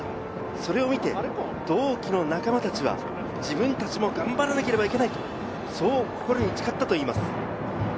それを見て同期の仲間たちは自分たちも頑張らなければいけないと心に誓ったといいます。